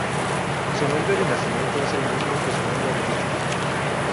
Su nombre de nacimiento es el mismo que su nombre artístico.